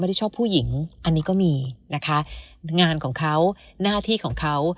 ได้ชอบผู้หญิงอันนี้ก็มีนะคะงานของเขาหน้าที่ของเขา